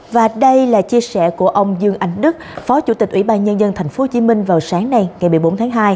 và đây là chia sẻ của ông dương anh đức phó chủ tịch ủy ban nhân dân tp hcm vào sáng nay ngày một mươi bốn tháng hai